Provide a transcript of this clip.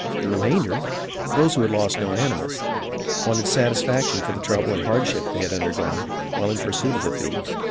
The remainder, those who had lost no animals, wanted satisfaction for the trouble and hardship they had undergone while in pursuit of the thieves.